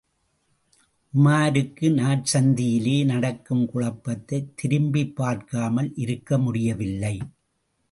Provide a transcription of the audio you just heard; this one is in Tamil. உமாருக்கு, நாற்சந்தியிலே நடக்கும் குழப்பத்தைத் திரும்பிப் பார்க்காமல் இருக்க முடியவில்லை.